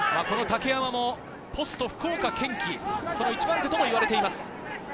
竹山もポスト福岡堅樹、一番手ともいわれています。